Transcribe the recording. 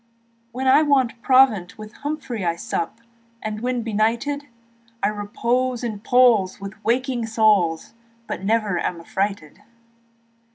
When I want provant with Humphrey I sup, and when benighted, I repose in Paul's with waking souls Yet never am affrighted.